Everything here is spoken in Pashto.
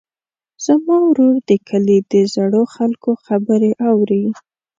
زما ورور د کلي د زړو خلکو خبرې اوري.